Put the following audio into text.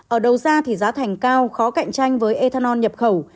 ở đầu ra thì giá thành cao khó cạnh tranh với ethanol nhập khẩu